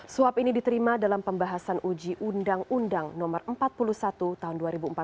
suap ini diterima dalam pembahasan uji undang undang no empat puluh satu tahun dua ribu empat belas